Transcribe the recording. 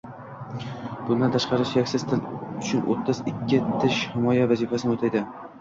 Bundan tashqari suyaksiz til uchun o‘ttiz ikkita tish himoya vazifasini o‘taydi.